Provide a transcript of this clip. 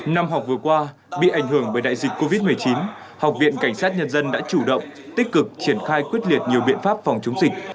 năm học vừa qua bị ảnh hưởng bởi đại dịch covid một mươi chín học viện cảnh sát nhân dân đã chủ động tích cực triển khai quyết liệt nhiều biện pháp phòng chống dịch